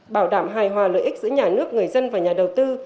bảo đảm hài hòa lợi ích giữa nhà nước người dân và nhà đầu tư